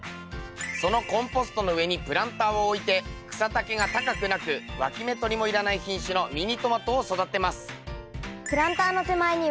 そのコンポストの上にプランターを置いて草丈が高くなくわき芽とりもいらない品種のミニトマトを育てます。